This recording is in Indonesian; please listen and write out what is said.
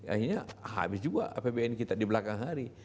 akhirnya habis juga apbn kita di belakang hari